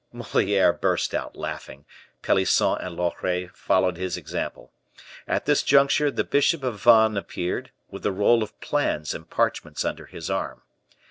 Moliere burst out laughing; Pelisson and Loret followed his example. At this juncture, the bishop of Vannes appeared, with a roll of plans and parchments under his arm.